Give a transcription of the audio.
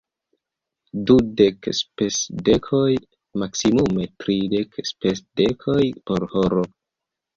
Dudek spesdekoj, maksimume tridek spesdekoj por horo.